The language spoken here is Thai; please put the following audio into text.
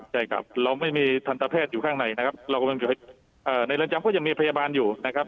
ใช่ครับเราไม่มีทันตะแพทย์อยู่ข้างในนะครับในเรือนจำก็จะมีพยาบาลอยู่นะครับ